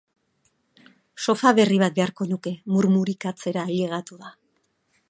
Sofa berri bat beharko nuke, murmurikatzera ailegatu da.